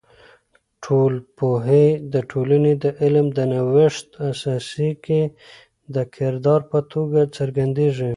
ټولنپوهی د ټولنې د علم د نوښت اساسي کې د کردار په توګه څرګندیږي.